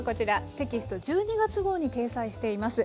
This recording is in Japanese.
テキスト１２月号に掲載しています。